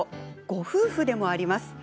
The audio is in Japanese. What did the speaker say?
ご夫婦でもあります。